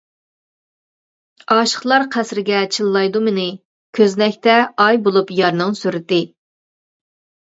ئاشىقلار قەسرىگە چىللايدۇ مېنى، كۆزنەكتە ئاي بولۇپ يارنىڭ سۈرىتى.